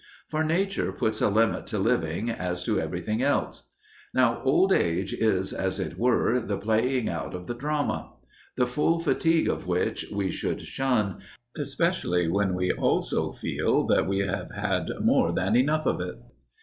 For nature puts a limit to living as to everything else. Now, old age is as it were the playing out of the drama, the full fatigue of which we should shun, especially when we also feel that we have had more than enough of it.